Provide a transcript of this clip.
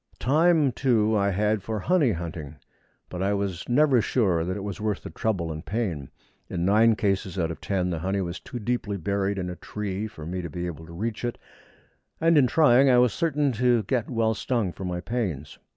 Time, too, I had for honey hunting, but I was never sure that it was worth the trouble and pain. In nine cases out of ten the honey was too deeply buried in a tree for me to be able to reach it, and in trying I was certain to get well stung for my pains.